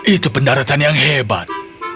itu pendaratan yang hebat